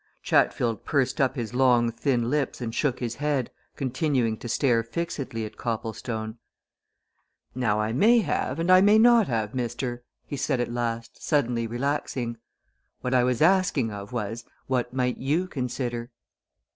Chatfield pursed up his long thin lips and shook his head, continuing to stare fixedly at Copplestone. "Now I may have, and I may not have, mister," he said at last, suddenly relaxing. "What I was asking of was what might you consider?"